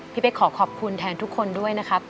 พี่เป๊กขอขอบคุณแทนทุกคนด้วยนะครับ